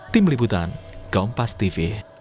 tim liputan kompas tv